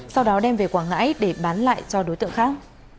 sau đó đem về quảng ngãi để bán lại cho đối tượng khác